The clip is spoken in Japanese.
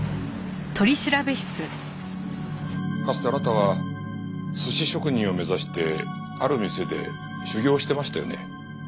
かつてあなたは寿司職人を目指してある店で修業してましたよね。